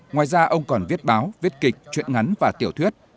ngoài ra ông còn viết báo viết kịch chuyện ngắn và tiểu thuyết